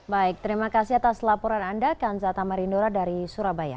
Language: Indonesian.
baik terima kasih atas laporan anda kanza tamarindora dari surabaya